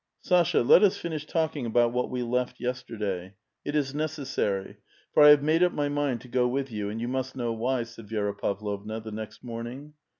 Sasha, let us finish talking about what we left yesterday. It is necessary ; for I have made up my mind to go with you : and you must know why," said Vi^ra Pavlovna, the next morning.